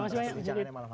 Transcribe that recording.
terima kasih banyak